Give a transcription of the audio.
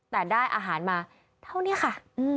แต่ได้อาหารมาเท่านี้ค่ะ